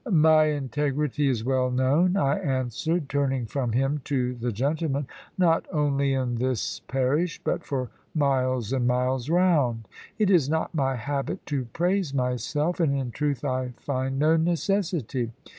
"My integrity is well known," I answered, turning from him to the gentleman; "not only in this parish, but for miles and miles round. It is not my habit to praise myself; and in truth I find no necessity.